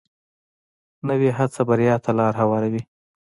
نوې هڅه بریا ته لار هواروي